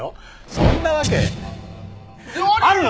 そんなわけあるの！？